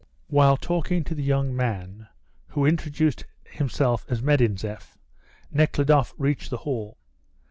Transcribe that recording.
While talking to the young man, who introduced himself as Medinzeff, Nekhludoff reached the hall.